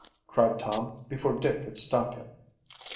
cried Tom, before Dick could stop him.